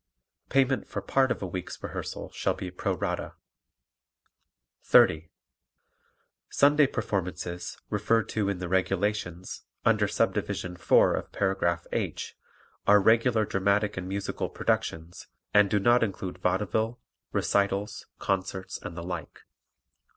Payment for part of a week's rehearsal shall be pro rata. 30. Sunday performances, referred to in the "Regulations," under Subdivision 4 of paragraph "H" are regular dramatic and musical productions and do not include vaudeville, recitals, concerts and the like.